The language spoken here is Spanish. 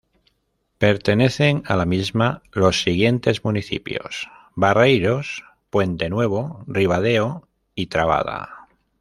Pertenecen a la misma los siguientes municipios: Barreiros, Puente Nuevo, Ribadeo y Trabada.